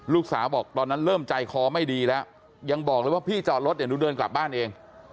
ลูกสาวบอกตอนนั้นเริ่มใจคอไม่ดีแล้วยังบอกเลยว่าพี่จอดรถเดี๋ยวหนูเดินกลับบ้านเอง